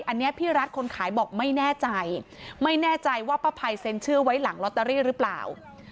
อันนี้พี่รัฐคนขายบอกไม่แน่ใจไม่แน่ใจว่าป้าภัยเซ็นเชื่อไว้หลังลอตเตอรี่หรือเปล่า